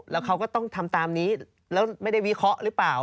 แล้วเขาก็ต้องทำตามนี้แล้วไม่ได้วิเคราะห์หรือเปล่า